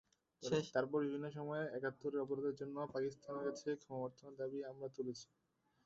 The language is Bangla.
তারপর বিভিন্ন সময়ে একাত্তরে অপরাধের জন্য পাকিস্তানের কাছে ক্ষমাপ্রার্থনার দাবি আমরা তুলেছি।